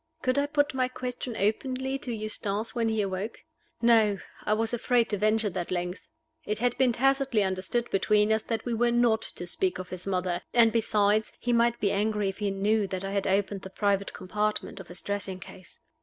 Could I put my question openly to Eustace when he awoke? No; I was afraid to venture that length. It had been tacitly understood between us that we were not to speak of his mother and, besides, he might be angry if he knew that I had opened the private compartment of his dressing case.